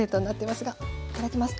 いただきます！